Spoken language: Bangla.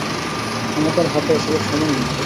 আমাদের হাতে এসবের সময় নেই।